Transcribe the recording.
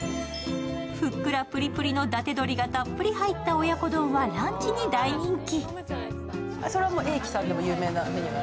ふっくらプリプリの伊達鶏がたっぷり入った親子丼はランチに大人気。